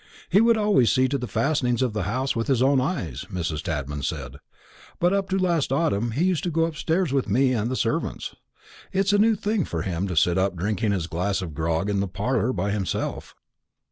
"He would always see to the fastenings of the house with his own eyes," Mrs. Tadman said; "but up to last autumn he used to go upstairs with me and the servants. It's a new thing for him to sit up drinking his glass of grog in the parlour by himself."